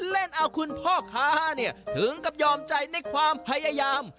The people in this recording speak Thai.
เล่นเอาคุณพ่อค้าเนี่ยถึงกับยอมใจในความพยายาม